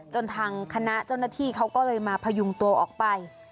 จนทางคณะเจ้าหน้าที่เขาก็เลยมาพยุงตัวออกไป